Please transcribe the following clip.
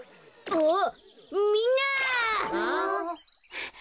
あっ。